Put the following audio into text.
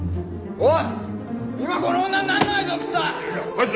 おい！